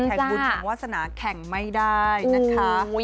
บุญแข่งวาสนาแข่งไม่ได้นะคะ